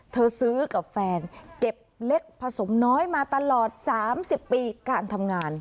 ซื้อกับแฟนเก็บเล็กผสมน้อยมาตลอด๓๐ปีการทำงาน